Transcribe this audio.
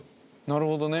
なるほどね。